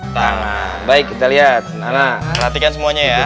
tangan baik kita lihat nana perhatikan semuanya ya